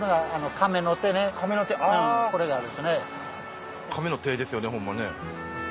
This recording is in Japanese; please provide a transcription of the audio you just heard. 亀の手ですよねホンマね。